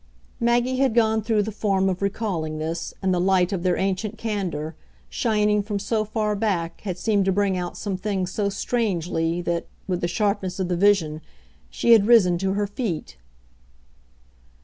Maggie had gone through the form of recalling this, and the light of their ancient candour, shining from so far back, had seemed to bring out some things so strangely that, with the sharpness of the vision, she had risen to her feet.